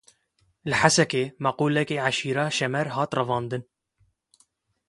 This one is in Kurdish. Li Hesekê maqûlekî eşîra Şemer hat revandin.